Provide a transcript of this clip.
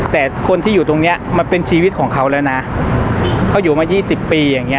แต่คนที่อยู่ตรงเนี้ยมันเป็นชีวิตของเขาแล้วนะเขาอยู่มายี่สิบปีอย่างเงี้